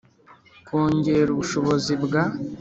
Kongera ubushobozi bwa